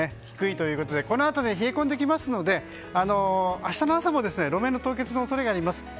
低いということでこのあと冷え込んできますので明日の朝も路面の凍結の恐れがあります。